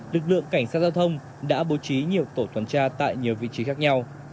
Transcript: lực lượng cảnh sát giao thông đã bố trí nhiều tổ tuần tra tại nhiều vị trí khác nhau